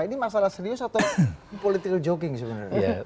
ini masalah serius atau politik joking sebenarnya